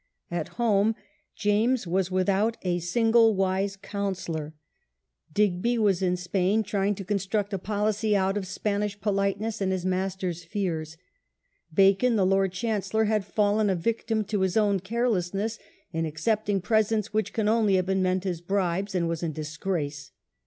At home James was without a single wise counsellor. 1 8 FAILURE OF THE SPANISH MATCH. Digby was in Spain tr}dng to construct a policy out of Spanish politeness and his master's fears. A new project, g^^^^^ the Lord Chancellor, had fallen a victim to his own carelessness in accepting presents which can only have been meant as bribes, and was in disgrace.